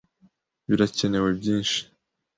Birakenewe byinshi.